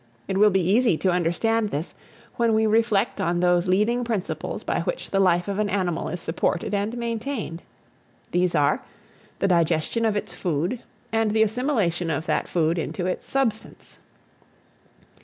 It will be easy to understand this, when we reflect on those leading principles by which the life of an animal is supported and maintained. These are, the digestion of its food, and the assimilation of that food into its substance.